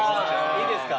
いいですか？